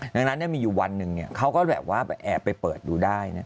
ดังนั้นมีอยู่วันหนึ่งเขาก็แบบว่าแอบไปเปิดดูได้